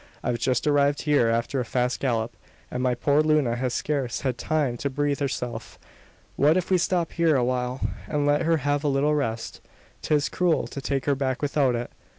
I've just arrived here after a fast gallop; and my poor Luna has scarce had time to breathe herself. What if we stop here a while, and let her have a little rest? 'Tis cruel to take her back without it."